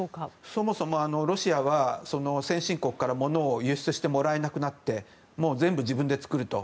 そもそもロシアは先進国から物を輸出してもらえなくなってもう全部、自分で作ると。